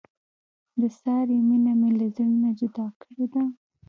د سارې مینه مې له زړه نه جدا کړې ده.